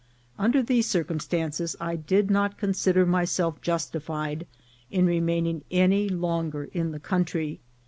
Under these circumstances I did not consider myself justified in remaining any longer in the country.